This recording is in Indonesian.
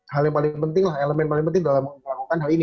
hal yang paling penting lah elemen paling penting dalam melakukan hal ini